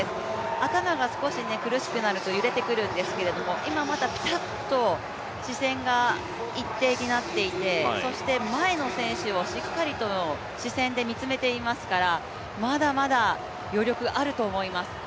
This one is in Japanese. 頭が、苦しくなると揺れてくるんですけど、今まだぴたっと視線が一定になっていて、そして前の選手をしっかりと視線で見つめていますからまだまだ余力、あると思います。